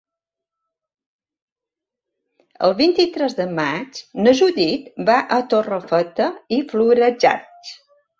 El vint-i-tres de maig na Judit va a Torrefeta i Florejacs.